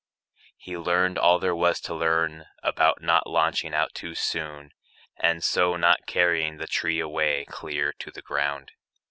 He learned all there was To learn about not launching out too soon And so not carrying the tree away Clear to the ground.